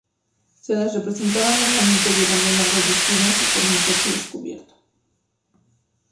Se las representaba, normalmente, llevando largos vestidos y con un pecho descubierto.